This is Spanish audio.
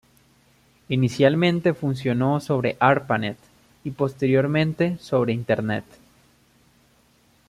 Inicialmente funcionó sobre Arpanet y posteriormente sobre internet.